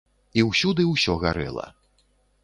І ўсюды ўсё гарэла.